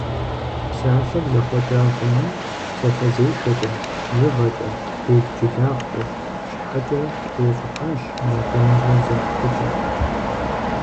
Псалъэр зэхъуэкӏа хъуным – псалъэзешэкӏэ, бжыгъэкӏэ, белджылагъкӏэ, щхьэкӏэ тещӏыхьащ екӏуныгъэ зэпхыкӏэр.